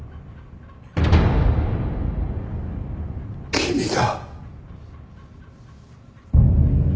君だ。